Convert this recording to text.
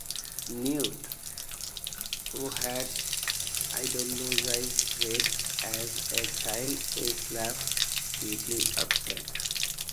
Newt, who had idolized Jake as a child, is left deeply upset.